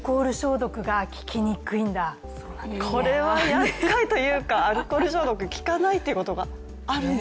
これはやっかいというかアルコール消毒、効かないってことがあるんだ。